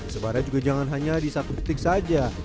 sebarnya juga jangan hanya di satu titik saja